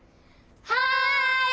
はい！